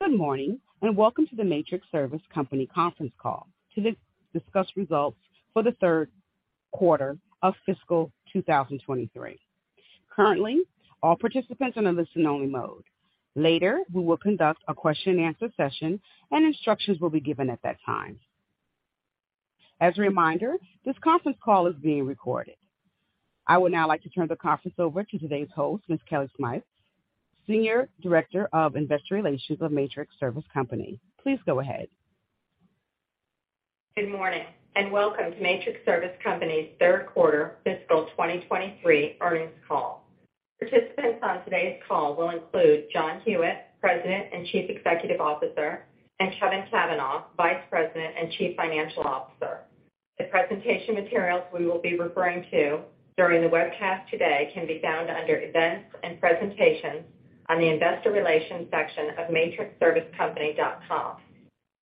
Good morning, welcome to the Matrix Service Company conference call to discuss results for the Q3 of fiscal 2023. Currently, all participants are in listen-only mode. Later, we will conduct a question-and-answer session and instructions will be given at that time. As a reminder, this conference call is being recorded. I would now like to turn the conference over to today's host, Ms. Kelly Smythe, Senior Director of Investor Relations of Matrix Service Company. Please go ahead. Good morning, and welcome to Matrix Service Company's Q3 fiscal 2023 earnings call. Participants on today's call will include John Hewitt, President and Chief Executive Officer, and Kevin Cavanah, Vice President and Chief Financial Officer. The presentation materials we will be referring to during the webcast today can be found under Events and Presentations on the Investor Relations section of matrixservicecompany.com.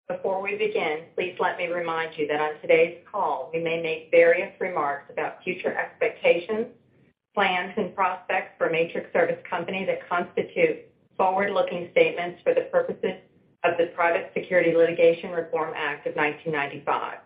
Before we begin, please let me remind you that on today's call, we may make various remarks about future expectations, plans and prospects for Matrix Service Company that constitute forward-looking statements for the purposes of the Private Securities Litigation Reform Act of 1995.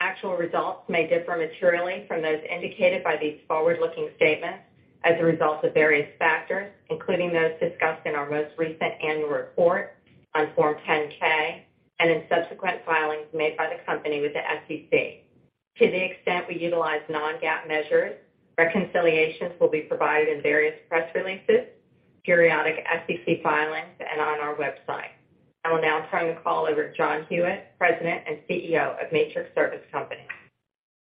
Actual results may differ materially from those indicated by these forward-looking statements as a result of various factors, including those discussed in our most recent annual report on Form 10-K and in subsequent filings made by the company with the SEC. To the extent we utilize non-GAAP measures, reconciliations will be provided in various press releases, periodic SEC filings, and on our website. I will now turn the call over to John Hewitt, President and CEO of Matrix Service Company.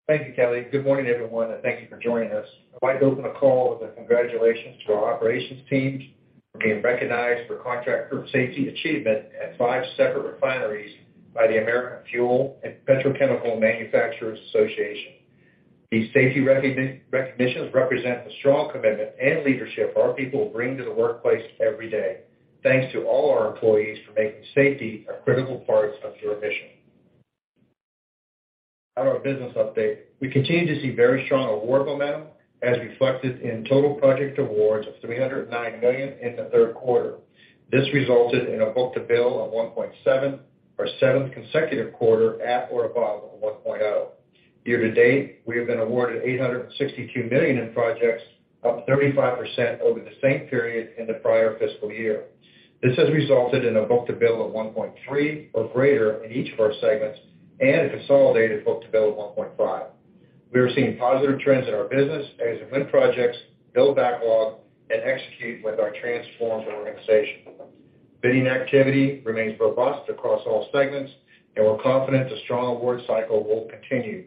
Thank you, Kelly. Good morning, everyone, thank you for joining us. I'd like to open the call with a congratulations to our operations teams for being recognized for contract group safety achievement at 5 separate refineries by the American Fuel & Petrochemical Manufacturers. These safety recognitions represent the strong commitment and leadership our people bring to the workplace every day. Thanks to all our employees for making safety a critical part of your mission. On our business update, we continue to see very strong award momentum as reflected in total project awards of $309 million in the Q3. This resulted in a book-to-bill of 1.7 for our seventh consecutive quarter at or above 1.0. Year to date, we have been awarded $862 million in projects, up 35% over the same period in the prior fiscal year. This has resulted in a book-to-bill of 1.3 or greater in each of our segments, and a consolidated book-to-bill of 1.5. We are seeing positive trends in our business as we win projects, build backlog, and execute with our transformed organization. Bidding activity remains robust across all segments. We're confident a strong award cycle will continue.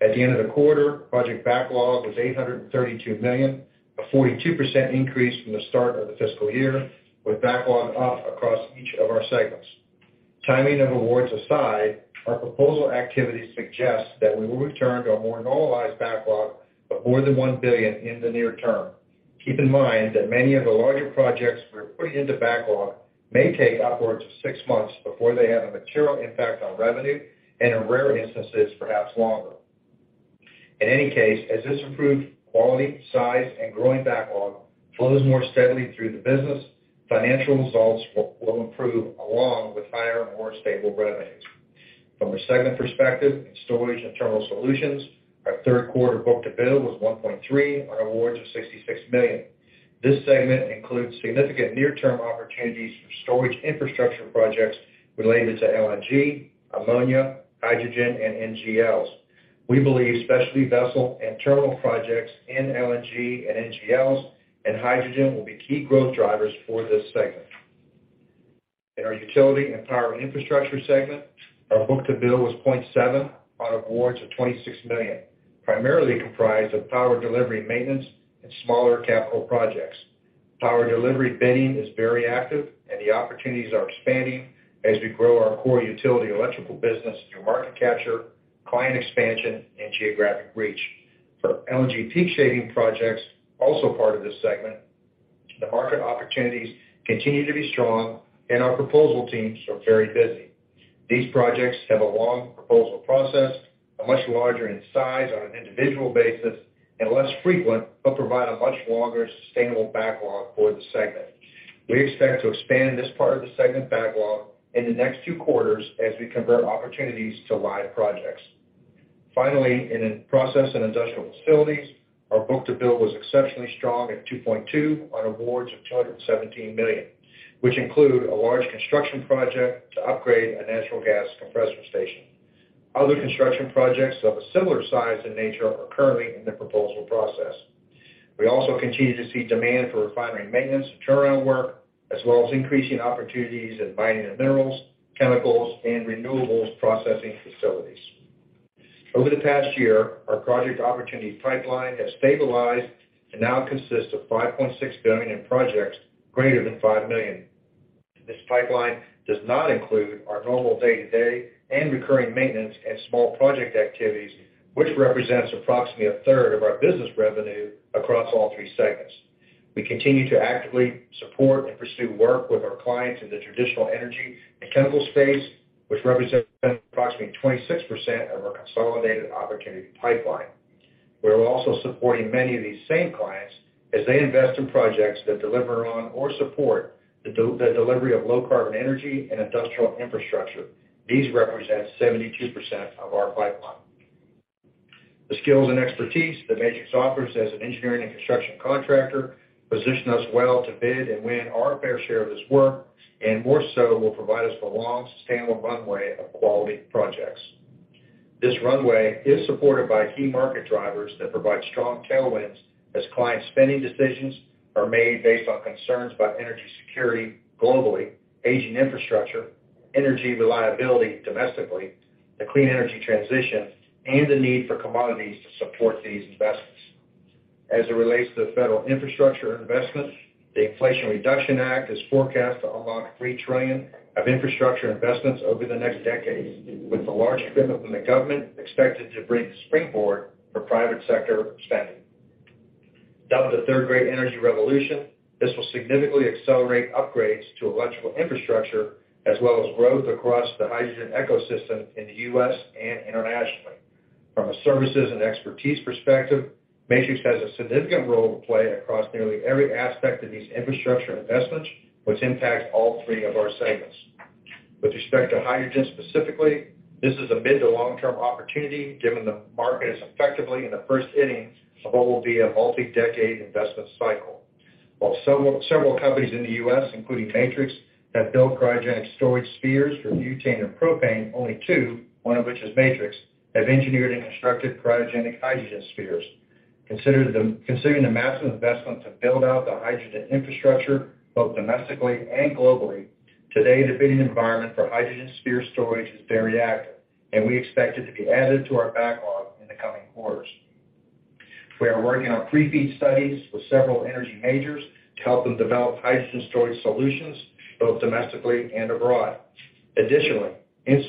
At the end of the quarter, project backlog was $832 million, a 42% increase from the start of the fiscal year, with backlog up across each of our segments. Timing of awards aside, our proposal activity suggests that we will return to a more normalized backlog of more than $1 billion in the near term. Keep in mind that many of the larger projects we're putting into backlog may take upwards of six months before they have a material impact on revenue, and in rare instances, perhaps longer. In any case, as this improved quality, size, and growing backlog flows more steadily through the business, financial results will improve along with higher, more stable revenues. From a segment perspective, in Storage and Terminal Solutions, our Q3 book-to-bill was 1.3 on awards of $66 million. This segment includes significant near-term opportunities for storage infrastructure projects related to LNG, ammonia, hydrogen, and NGLs. We believe specialty vessel and terminal projects in LNG and NGLs and hydrogen will be key growth drivers for this segment. In our Utility and Power Infrastructure segment, our book-to-bill was 0.7 on awards of $26 million, primarily comprised of power delivery maintenance and smaller capital projects. Power delivery bidding is very active and the opportunities are expanding as we grow our core utility electrical business through market capture, client expansion, and geographic reach. For LNG peak shaving projects, also part of this segment, the market opportunities continue to be strong and our proposal teams are very busy. These projects have a long proposal process, are much larger in size on an individual basis and less frequent, but provide a much longer sustainable backlog for the segment. We expect to expand this part of the segment backlog in the next two quarters as we convert opportunities to live projects. Finally, in Process and Industrial Facilities, our book-to-bill was exceptionally strong at 2.2 on awards of $217 million, which include a large construction project to upgrade a natural gas compressor station. Other construction projects of a similar size and nature are currently in the proposal process. We also continue to see demand for refinery maintenance and turnaround work, as well as increasing opportunities in mining and minerals, chemicals and renewables processing facilities. Over the past year, our project opportunity pipeline has stabilized and now consists of $5.6 billion in projects greater than $5 million. This pipeline does not include our normal day-to-day and recurring maintenance and small project activities, which represents approximately a third of our business revenue across all three segments. We continue to actively support and pursue work with our clients in the traditional energy and chemical space, which represents approximately 26% of our consolidated opportunity pipeline. We're also supporting many of these same clients as they invest in projects that deliver on or support the delivery of low carbon energy and industrial infrastructure. These represent 72% of our pipeline. The skills and expertise that Matrix offers as an engineering and construction contractor position us well to bid and win our fair share of this work, and more so, will provide us with a long, sustainable runway of quality projects. This runway is supported by key market drivers that provide strong tailwinds as client spending decisions are made based on concerns about energy security globally, aging infrastructure, energy reliability domestically, the clean energy transition, and the need for commodities to support these investments. As it relates to federal infrastructure investments, the Inflation Reduction Act is forecast to unlock $3 trillion of infrastructure investments over the next decade, with a large commitment from the government expected to bring springboard for private sector spending. Dubbed the third great energy revolution, this will significantly accelerate upgrades to electrical infrastructure as well as growth across the hydrogen ecosystem in the U.S. and internationally. From a services and expertise perspective, Matrix has a significant role to play across nearly every aspect of these infrastructure investments, which impacts all 3 of our segments. With respect to hydrogen specifically, this is a mid to long-term opportunity given the market is effectively in the first innings of what will be a multi-decade investment cycle. While several companies in the U.S., including Matrix, have built cryogenic storage spheres for butane and propane, only 2, 1 of which is Matrix, have engineered and constructed cryogenic hydrogen spheres. considering the massive investment to build out the hydrogen infrastructure both domestically and globally, today the bidding environment for hydrogen sphere storage is very active, and we expect it to be added to our backlog in the coming quarters. We are working on pre-FEED studies with several energy majors to help them develop hydrogen storage solutions both domestically and abroad. Additionally, in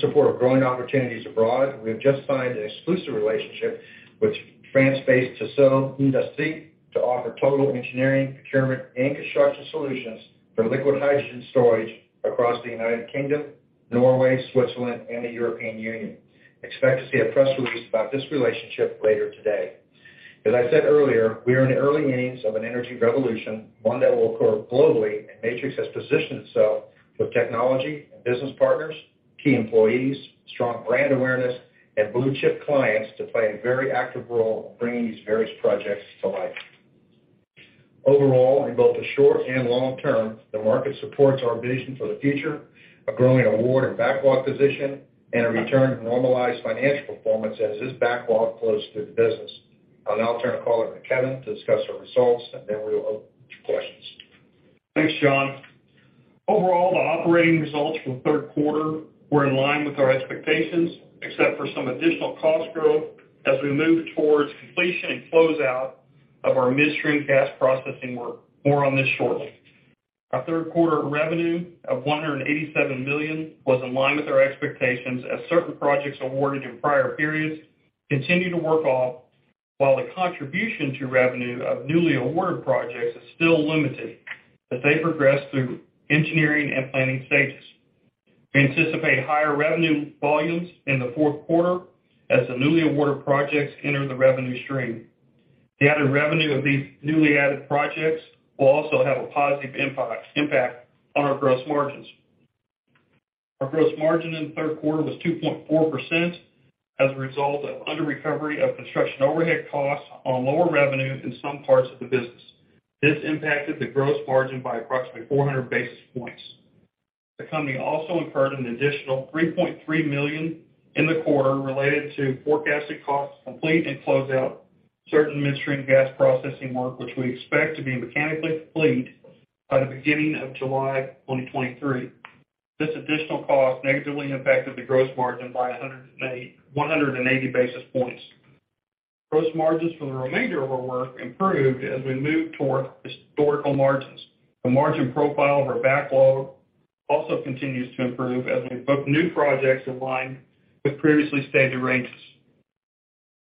support of growing opportunities abroad, we have just signed an exclusive relationship with France-based Tissot Industrie to offer total engineering, procurement, and construction solutions for liquid hydrogen storage across the United Kingdom, Norway, Switzerland, and the European Union. Expect to see a press release about this relationship later today. As I said earlier, we are in the early innings of an energy revolution, one that will occur globally. Matrix has positioned itself with technology and business partners, key employees, strong brand awareness, and blue chip clients to play a very active role in bringing these various projects to life. Overall, in both the short and long term, the market supports our vision for the future, a growing award and backlog position, and a return to normalized financial performance as this backlog flows through the business. I'll now turn the call over to Kevin to discuss our results. Then we'll open to questions. Thanks, John. Overall, the operating results for the Q3 were in line with our expectations, except for some additional cost growth as we move towards completion and closeout of our midstream gas processing work. More on this shortly. Our Q3 revenue of $187 million was in line with our expectations as certain projects awarded in prior periods continue to work off, while the contribution to revenue of newly awarded projects is still limited as they progress through engineering and planning stages. We anticipate higher revenue volumes in the Q4 as the newly awarded projects enter the revenue stream. The added revenue of these newly added projects will also have a positive impact on our gross margins. Our gross margin in the Q3 was 2.4% as a result of under recovery of construction overhead costs on lower revenue in some parts of the business. This impacted the gross margin by approximately 400 basis points. The company also incurred an additional $3.3 million in the quarter related to forecasted costs to complete and close out certain midstream gas processing work, which we expect to be mechanically complete by the beginning of July 2023. This additional cost negatively impacted the gross margin by 180 basis points. Gross margins for the remainder of our work improved as we move towards historical margins. The margin profile of our backlog also continues to improve as we book new projects in line with previously stated ranges.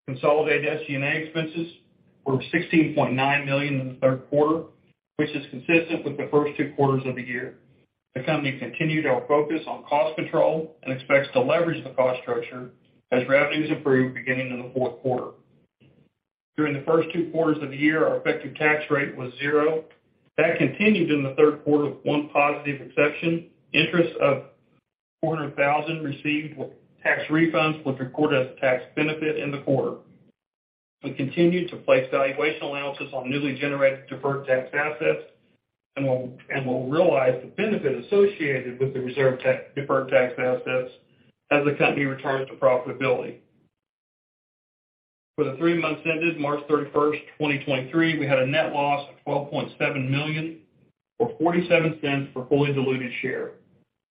Consolidated SG&A expenses were $16.9 million in the Q3, which is consistent with the first two quarters of the year. The company continued our focus on cost control and expects to leverage the cost structure as revenues improve beginning in the Q4. During the first two quarters of the year, our effective tax rate was 0. That continued in the Q3 with 1 positive exception. Interest of $400,000 received with tax refunds was recorded as a tax benefit in the quarter. We continue to place valuation analysis on newly generated deferred tax assets and will realize the benefit associated with the deferred tax assets as the company returns to profitability. For the 3 months ended March 31, 2023, we had a net loss of $12.7 million or $0.47 per fully diluted share.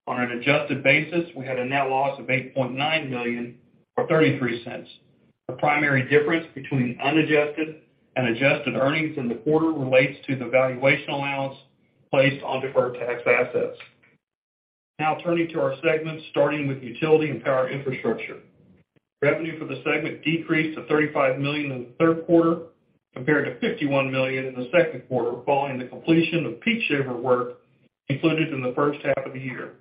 On an adjusted basis, we had a net loss of $8.9 million or $0.33. The primary difference between unadjusted and adjusted earnings in the quarter relates to the valuation allowance placed on deferred tax assets. Turning to our segments, starting with Utility and Power Infrastructure. Revenue for the segment decreased to $35 million in the Q3 compared to $51 million in the Q2, following the completion of peak shaver work included in the first half of the year.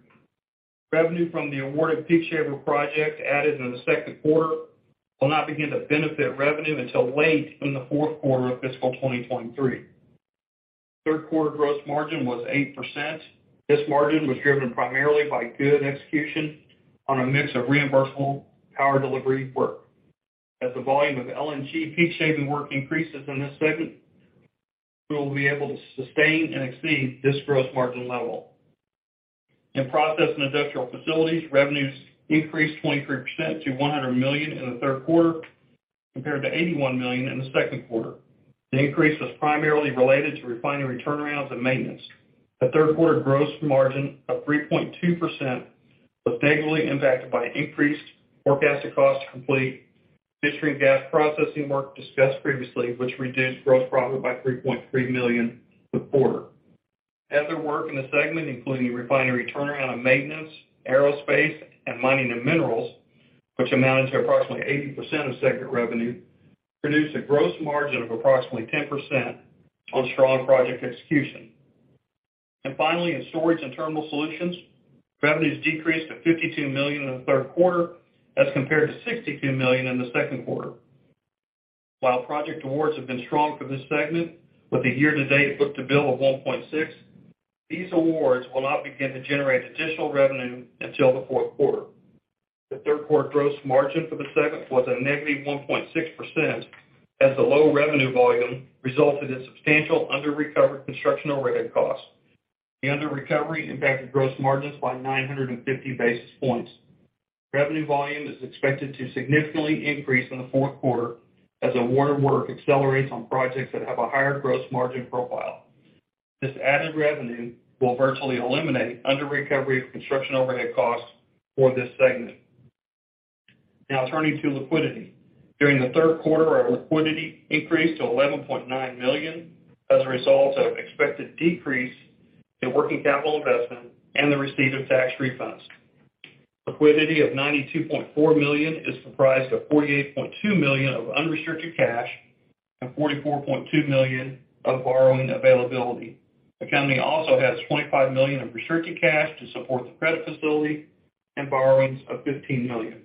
Revenue from the awarded peak shaving project added in the Q2 will not begin to benefit revenue until late in the Q4 of fiscal 2023. Q3 gross margin was 8%. This margin was driven primarily by good execution on a mix of reimbursable power delivery work. As the volume of LNG peak shaving work increases in this segment, we will be able to sustain and exceed this gross margin level. In Process and Industrial Facilities, revenues increased 23% to $100 million in the Q3 compared to $81 million in the Q2. The increase was primarily related to refinery turnarounds and maintenance. The Q3 gross margin of 3.2% was negatively impacted by increased forecasted cost to complete midstream gas processing work discussed previously, which reduced gross profit by $3.3 million for the quarter. Other work in the segment, including refinery turnaround maintenance, aerospace and mining and minerals, which amounted to approximately 80% of segment revenue, produced a gross margin of approximately 10% on strong project execution. Finally, in Storage and Terminal Solutions, revenues decreased to $52 million in the Q3 as compared to $62 million in the Q2. While project awards have been strong for this segment, with a year-to-date book-to-bill of 1.6, these awards will not begin to generate additional revenue until the Q4. The Q3 gross margin for the segment was a negative 1.6%, as the low revenue volume resulted in substantial under-recovered construction overhead costs. The under-recovery impacted gross margins by 950 basis points. Revenue volume is expected to significantly increase in the Q4 as awarded work accelerates on projects that have a higher gross margin profile. This added revenue will virtually eliminate under-recovery of construction overhead costs for this segment. Now turning to liquidity. During the Q3, our liquidity increased to $11.9 million as a result of expected decrease in working capital investment and the receipt of tax refunds. Liquidity of $92.4 million is comprised of $48.2 million of unrestricted cash and $44.2 million of borrowing availability. The company also has $25 million of restricted cash to support the credit facility and borrowings of $15 million.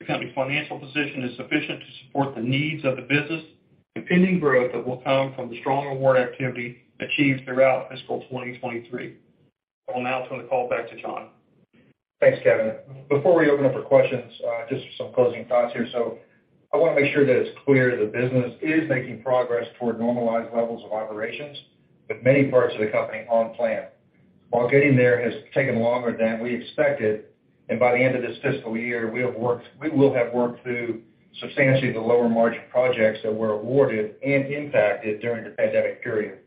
The company financial position is sufficient to support the needs of the business, impending growth that will come from the strong award activity achieved throughout fiscal 2023. I will now turn the call back to John. Thanks, Kevin. Before we open up for questions, just some closing thoughts here. I wanna make sure that it's clear the business is making progress toward normalized levels of operations with many parts of the company on plan. While getting there has taken longer than we expected, and by the end of this fiscal year, we will have worked through substantially the lower margin projects that were awarded and impacted during the pandemic period.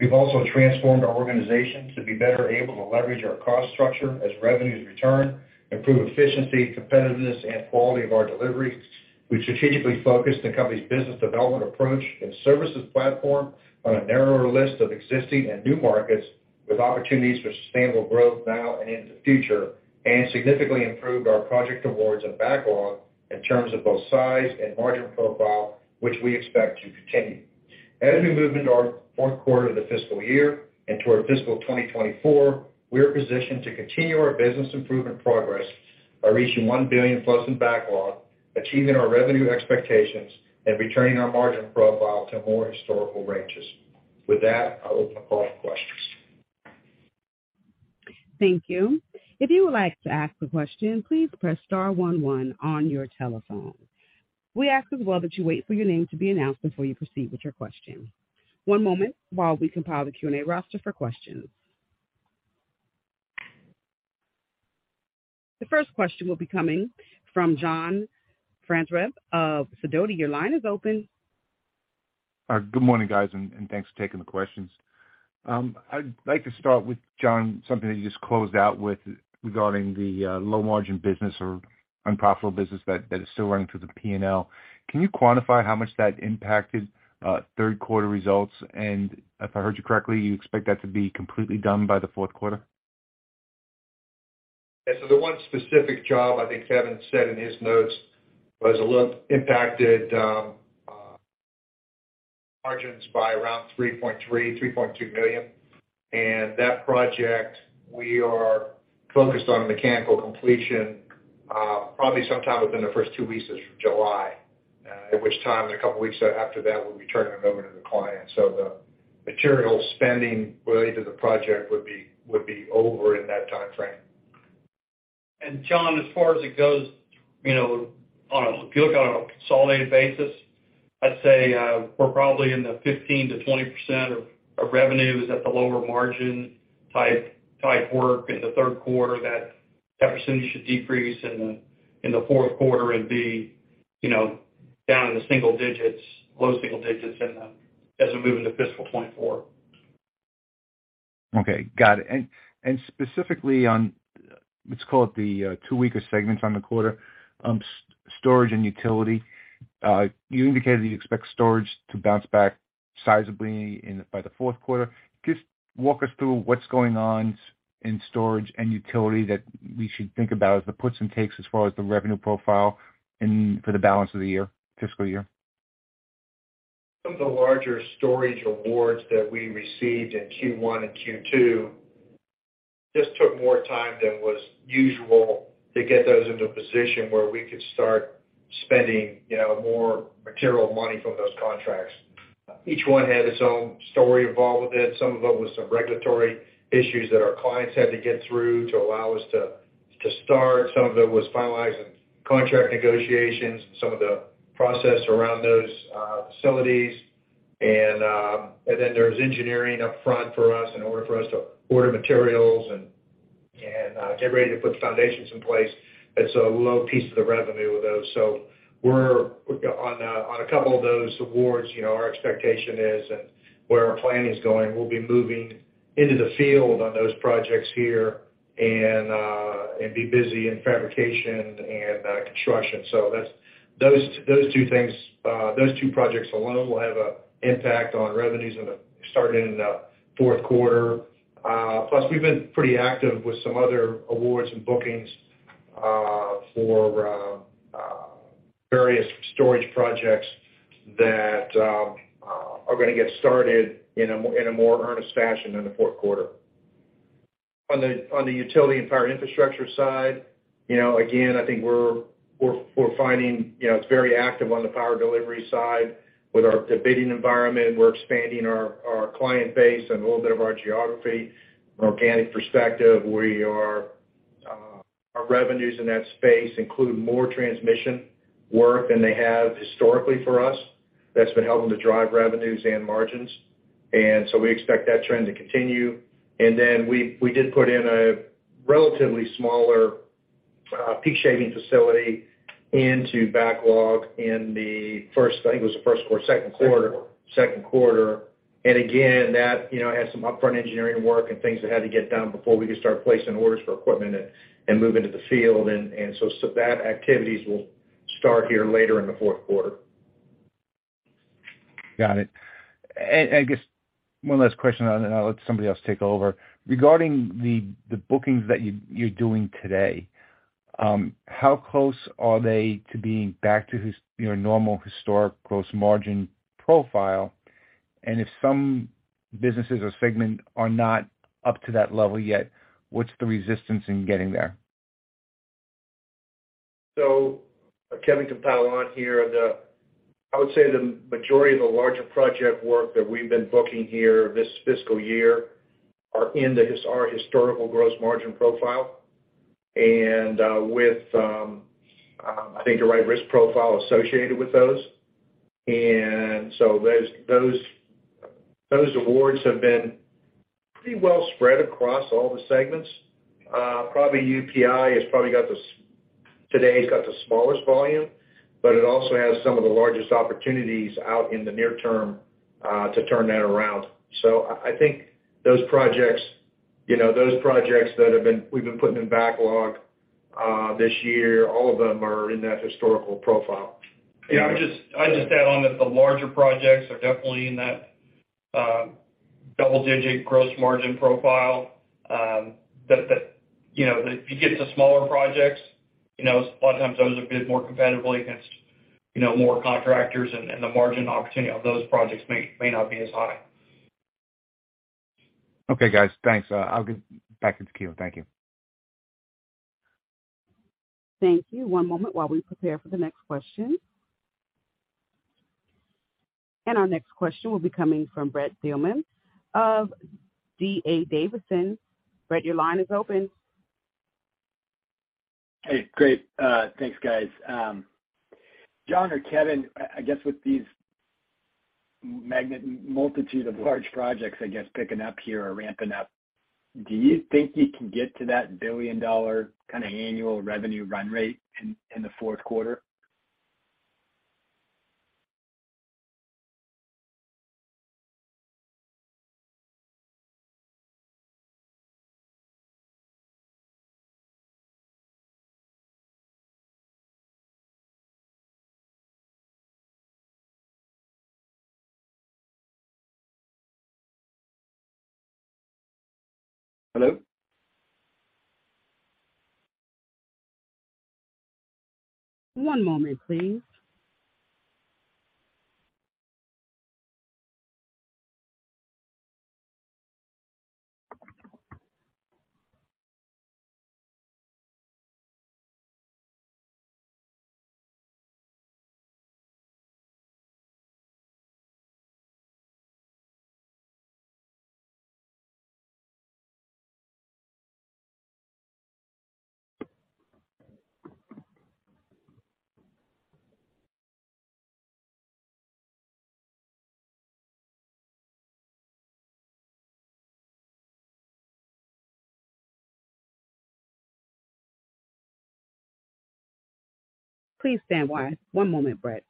We've also transformed our organization to be better able to leverage our cost structure as revenues return, improve efficiency, competitiveness, and quality of our delivery. We've strategically focused the company's business development approach and services platform on a narrower list of existing and new markets with opportunities for sustainable growth now and into the future. Significantly improved our project awards and backlog in terms of both size and margin profile, which we expect to continue. As we move into our Q4 of the fiscal year and toward fiscal 2024, we are positioned to continue our business improvement progress by reaching $1 billion plus in backlog, achieving our revenue expectations, and returning our margin profile to more historical ranges. With that, I'll open the call for questions. Thank you. If you would like to ask a question, please press star 11 on your telephone. We ask as well that you wait for your name to be announced before you proceed with your question. One moment while we compile the Q&A roster for questions. The first question will be coming from John Franzreb of Sidoti. Your line is open. Good morning, guys, and thanks for taking the questions. I'd like to start with John, something that you just closed out with regarding the low margin business or unprofitable business that is still running through the P&L. Can you quantify how much that impacted Q3 results? If I heard you correctly, you expect that to be completely done by the Q4? The one specific job, I think Kevin said in his notes, was a little impacted margins by around $3.2 million. That project we are focused on mechanical completion, probably sometime within the first two weeks of July. At which time in a couple weeks after that we'll be turning it over to the client. The material spending related to the project would be over in that timeframe. John, as far as it goes, you know, on a consolidated basis, I'd say, we're probably in the 15%-20% of revenues at the lower margin type work in the Q3. That percentage should decrease in the Q4 and be, you know, down in the single digits, low single digits as we move into fiscal 2024. Okay, got it. Specifically on, let's call it the 2 weaker segments on the quarter, storage and utility. You indicated you expect storage to bounce back sizably by the Q4. Just walk us through what's going on in storage and utility that we should think about as the puts and takes as far as the revenue profile and for the balance of the year, fiscal year? Some of the larger storage awards that we received in Q1 and Q2 just took more time than was usual to get those into a position where we could start spending, you know, more material money from those contracts. Each one had its own story involved with it. Some of them were some regulatory issues that our clients had to get through to allow us to start. Some of it was finalizing contract negotiations, some of the process around those facilities. Then there's engineering upfront for us in order for us to order materials and get ready to put the foundations in place. It's a low piece of the revenue with those. We're on a couple of those awards, you know, our expectation is, and where our planning is going, we'll be moving into the field on those projects here and be busy in fabrication and construction. Those two things, those two projects alone will have an impact on revenues starting in the Q4. We've been pretty active with some other awards and bookings for various storage projects that are gonna get started in a more earnest fashion in the Q4. On the Utility and Power Infrastructure side, you know, again, I think we're finding, you know, it's very active on the power delivery side with our bidding environment. We're expanding our client base and a little bit of our geography from an organic perspective. We are, our revenues in that space include more transmission work than they have historically for us. That's been helping to drive revenues and margins. We expect that trend to continue. We did put in a relatively smaller, peak shaving facility into backlog in the first, I think it was the Q1, Q2. Q2. Again, that, you know, has some upfront engineering work and things that had to get done before we could start placing orders for equipment and move into the field. So that activities will start here later in the Q4. Got it. I guess one last question, and then I'll let somebody else take over. Regarding the bookings that you're doing today, how close are they to being back to you know, normal historic gross margin profile? If some businesses or segment are not up to that level yet, what's the resistance in getting there? Kevin Cavanah here. I would say the majority of the larger project work that we've been booking here this fiscal year are in our historical gross margin profile and, with, I think the right risk profile associated with those. Those awards have been pretty well spread across all the segments. Probably UPI has probably got today's got the smallest volume, but it also has some of the largest opportunities out in the near term, to turn that around. I think those projects, you know, those projects that we've been putting in backlog, this year, all of them are in that historical profile. Yeah. I'll just add on that the larger projects are definitely in that double-digit gross margin profile. That, you know, if you get to smaller projects, you know, a lot of times those are bid more competitively against, you know, more contractors and the margin opportunity on those projects may not be as high. Okay, guys. Thanks. I'll give back into queue. Thank you. Thank you. One moment while we prepare for the next question. Our next question will be coming from Brent Thielman of D.A. Davidson. Brett, your line is open. Hey, great. Thanks, guys. John or Kevin, I guess with these Matrix multitude of large projects, I guess picking up here or ramping up, do you think you can get to that $1 billion kinda annual revenue run rate in the Q4? Hello? One moment, please. Please stand by. One moment, Brett.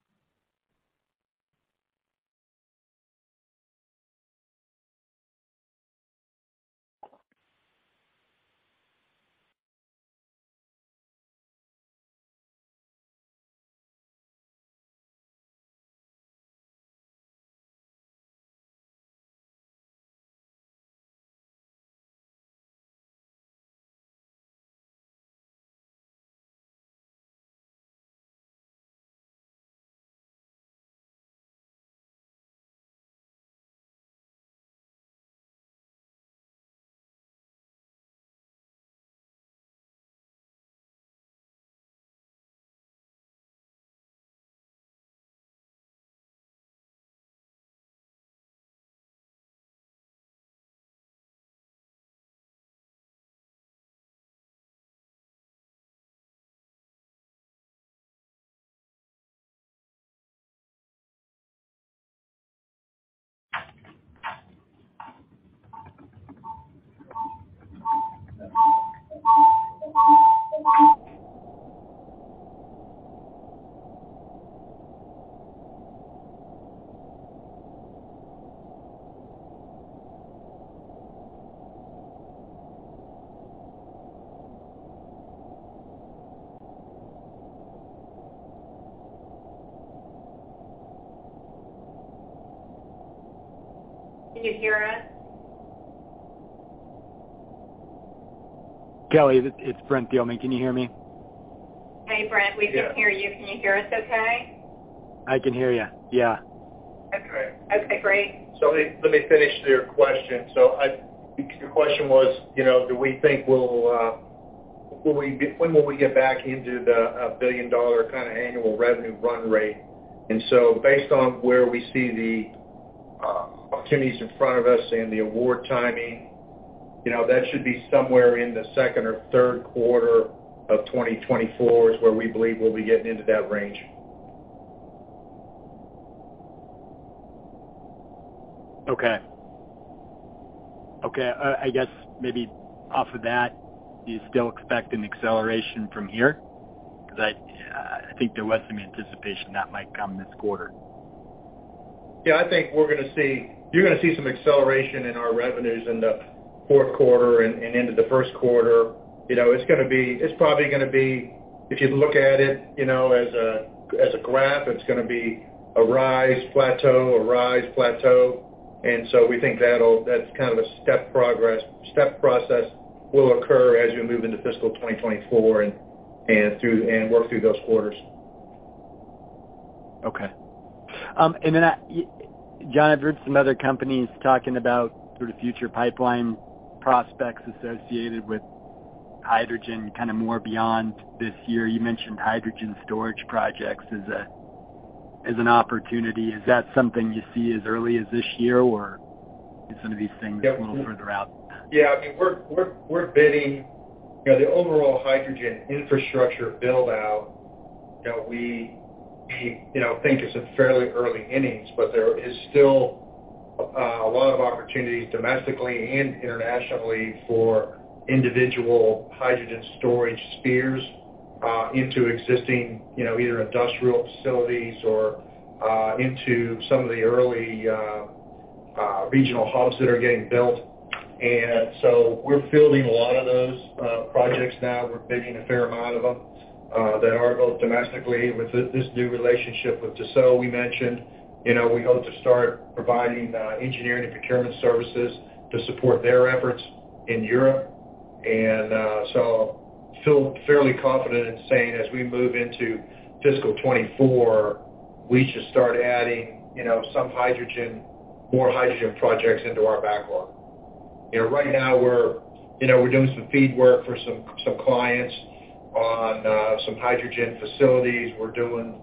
Can you hear us? Kelly, it's Brent Thielman. Can you hear me? Hey, Brent. Yeah. We can hear you. Can you hear us okay? I can hear you, yeah. That's great. Okay, great. Let me finish your question. The question was, you know, when will we get back into the billion-dollar kinda annual revenue run rate. Based on where we see the opportunities in front of us and the award timing, you know, that should be somewhere in the second or Q3 of 2024 is where we believe we'll be getting into that range. Okay. Okay, I guess maybe off of that, do you still expect an acceleration from here? 'Cause I think there was some anticipation that might come this quarter. Yeah, you're gonna see some acceleration in our revenues in the Q4 and into the Q1. You know, it's probably gonna be, if you look at it, you know, as a, as a graph, it's gonna be a rise, plateau, a rise, plateau. We think that's kind of a step process will occur as you move into fiscal 2024 and work through those quarters. Okay. John, I've heard some other companies talking about sort of future pipeline prospects associated with hydrogen kind of more beyond this year. You mentioned hydrogen storage projects as an opportunity. Is that something you see as early as this year or is some of these things a little further out than that? Yeah, I mean, we're bidding, you know, the overall hydrogen infrastructure build-out. We, you know, think it's fairly early innings, but there is still a lot of opportunities domestically and internationally for individual hydrogen storage spheres into existing, you know, either industrial facilities or into some of the early regional hubs that are getting built. We're fielding a lot of those projects now. We're bidding a fair amount of them that are both domestically with this new relationship with Tissot we mentioned. We hope to start providing engineering and procurement services to support their efforts in Europe. Feel fairly confident in saying as we move into fiscal 2024, we should start adding more hydrogen projects into our backlog. You know, right now we're, you know, we're doing some FEED work for some clients on some hydrogen facilities. We're doing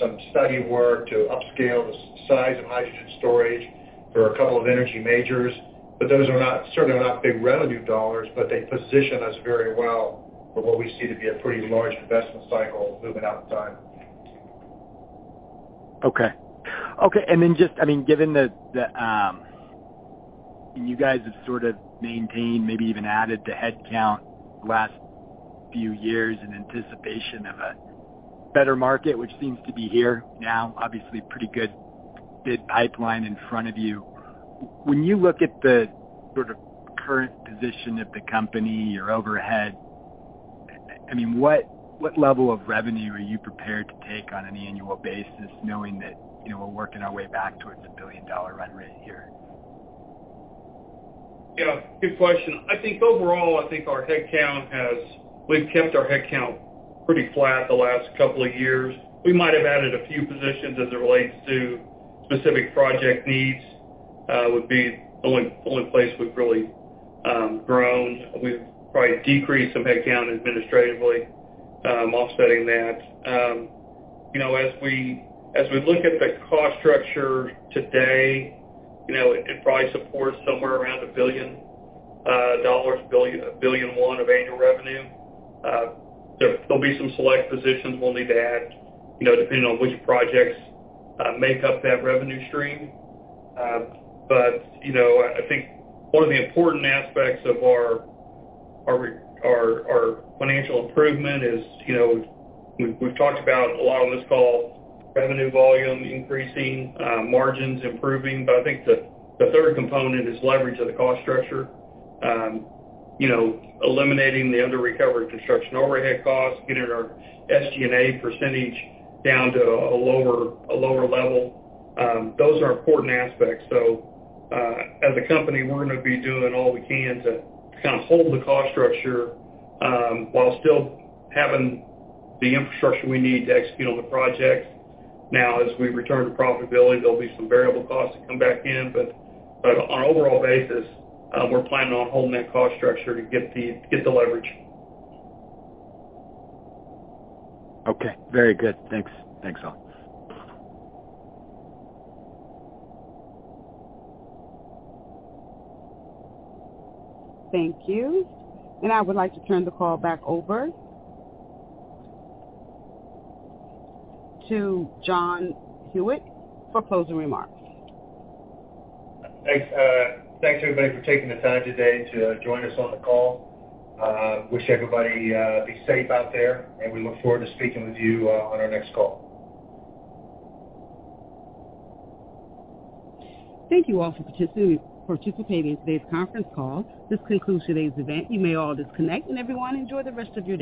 some study work to upscale the size of hydrogen storage for a couple of energy majors. Those are not, certainly not big revenue dollars, but they position us very well for what we see to be a pretty large investment cycle moving out in time. Okay. Okay, then just, I mean, given the, you guys have sort of maintained, maybe even added the headcount the last few years in anticipation of a better market, which seems to be here now. Obviously pretty good bid pipeline in front of you. When you look at the sort of current position of the company, your overhead, I mean, what level of revenue are you prepared to take on an annual basis knowing that, you know, we're working our way back towards a $1 billion run rate here? Yeah, good question. I think overall, I think our head count we've kept our head count pretty flat the last couple of years. We might have added a few positions as it relates to specific project needs, would be the only place we've really grown. We've probably decreased some head count administratively, offsetting that. You know, as we, as we look at the cost structure today, you know, it probably supports somewhere around $1 billion, $1.1 billion of annual revenue. There'll be some select positions we'll need to add, you know, depending on which projects make up that revenue stream. You know, I think one of the important aspects of our financial improvement is, you know, we've talked about a lot on this call, revenue volume increasing, margins improving, but I think the third component is leverage of the cost structure. You know, eliminating the under-recovered construction overhead costs, getting our SG&A percentage down to a lower level. Those are important aspects. As a company, we're gonna be doing all we can to kind of hold the cost structure, while still having the infrastructure we need to execute on the projects. Now, as we return to profitability, there'll be some variable costs that come back in, but on an overall basis, we're planning on holding that cost structure to get the leverage. Okay. Very good. Thanks. Thanks all. Thank you. I would like to turn the call back over to John Hewitt for closing remarks. Thanks, thanks, everybody, for taking the time today to join us on the call. Wish everybody, be safe out there, and we look forward to speaking with you, on our next call. Thank you all for participating in today's conference call. This concludes today's event. You may all disconnect. Everyone, enjoy the rest of your day.